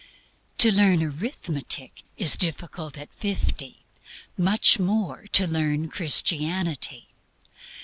To learn arithmetic is difficult at fifty much more to learn Christianity.